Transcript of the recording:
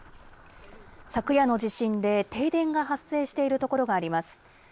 昨夜の地震で停電が発生している所があります。